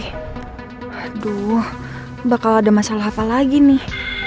aduh bakal ada masalah apa lagi nih